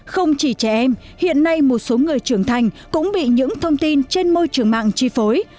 không chỉ trẻ em hiện nay một số người trưởng thành cũng bị những thông tin trên môi trường mạng chi phối